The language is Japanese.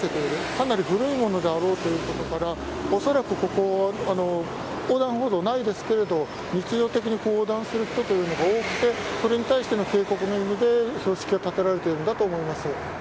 かなり古いものであろうということからおそらくここは横断歩道がないですけれど日常的に横断する人が多くてそれに対しての警告の意味で標識が立てられていると思います。